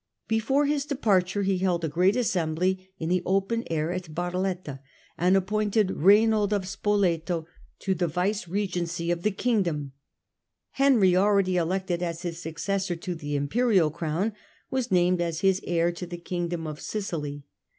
Before his departure he held a great assembly in the open air at Barletta, and appointed Raynald of Spoleto to the vice regency of the Kingdom. Henry, already elected as his successor to the Imperial Crown, was named as his heir to the Kingdom of Sicily.